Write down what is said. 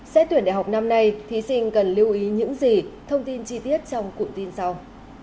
xét tuyển đại học năm nay thí sinh cần lưu ý những gì thông tin chi tiết trong cụm tin sau